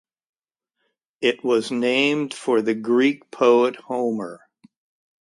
It was named for the Greek poet Homer.